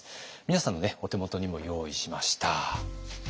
皆さんのお手元にも用意しました。